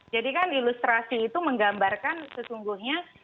jadi kan ilustrasi itu menggambarkan sesungguhnya